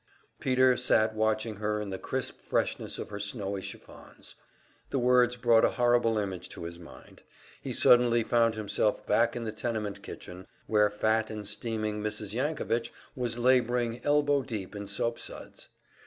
Peter sat watching her in the crisp freshness of her snowy chiffons. The words brought a horrible image to his mind; he suddenly found himself back in the tenement kitchen, where fat and steaming Mrs. Yankovich was laboring elbow deep in soap suds.